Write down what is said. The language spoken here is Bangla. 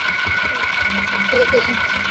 কিসের ভিত্তিতে করবে মামলা?